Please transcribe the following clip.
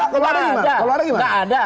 kalau ada gimana